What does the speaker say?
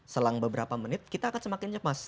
selang beberapa menit kita akan semakin cemas